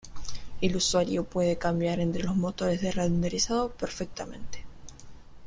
El usuario puede cambiar entre los motores de renderizado perfectamente.